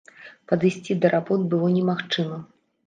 Падысці да работ было немагчыма.